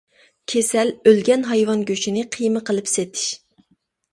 كېسەل، ئۆلگەن ھايۋان گۆشىنى قىيما قىلىپ سېتىش.